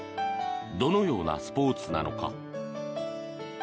どのようなスポーツなのか。